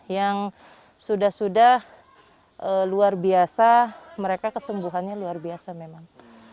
yang sudah sudah luar biasa mereka kesembuhannya luar biasa memang